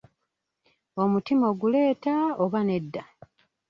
Omutima oguleeta, oba nedda?